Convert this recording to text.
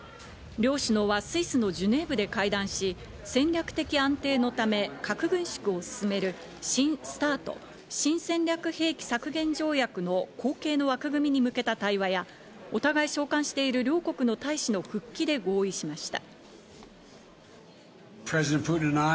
両首脳はスイスのジュネーブで会談し、戦略的安定のため核軍縮を進める、新ＳＴＡＲＴ＝新戦略兵器削減条約の後継の枠組みに向けた対話や、互い召還している両国の大使の復帰で合意しました。